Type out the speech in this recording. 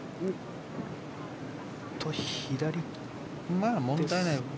まあ問題ないです。